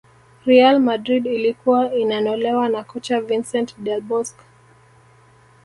real madrid ilikuwa inanolewa na kocha vincent del bosque